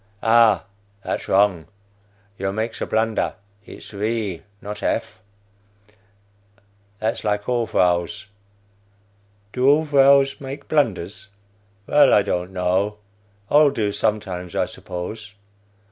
Ah, that's wrong; you makes a blunder. Its V. not F. That's like all vrows. (Do all vrows make blunders?) Vell, I don't know; all do sometimes, I suppose.